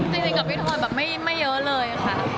จริงกับพี่ทอยแบบไม่เยอะเลยค่ะ